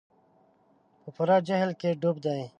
په پوره جهل کې ډوب دي.